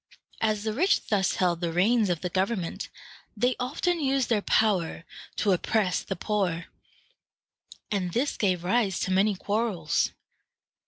As the rich thus held the reins of the government, they often used their power to oppress the poor, and this gave rise to many quarrels.